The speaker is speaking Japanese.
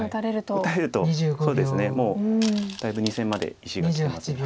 打たれるとそうですねもうだいぶ２線まで石がきてますので。